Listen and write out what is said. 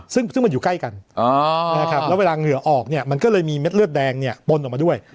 ซึ่งมันอยู่ใกล้กันนะครับแล้วเวลาเหงื่อออกเนี่ยมันก็เลยมีเม็ดเลือดแดงปนออกมาด้วย